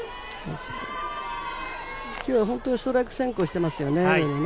今日は本当にストライク先行していますよね。